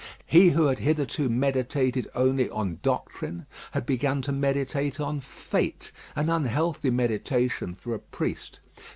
He who had hitherto meditated only on doctrine, had begun to meditate on Fate, an unhealthy meditation for a priest.